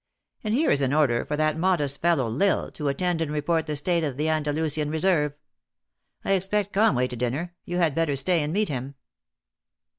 And here is an order for that modest fellow L Isle to attend and re port the state of the Andalnsian reserve. I expect Conway to dinner. You had better stay and meet him."